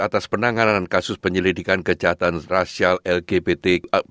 atas penanganan kasus penyelidikan kejahatan rasial lgbt